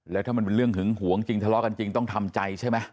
แล้วถ้ามันเป็นเรื่องหึงหวงจริงทะเลาะกันจริงต้องทำใจใช่ไหม